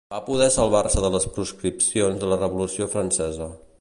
Va poder salvar-se de les proscripcions de la revolució francesa.